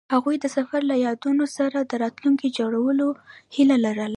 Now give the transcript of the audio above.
هغوی د سفر له یادونو سره راتلونکی جوړولو هیله لرله.